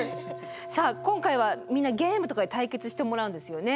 さあ今回はみんなゲームとかで対決してもらうんですよね？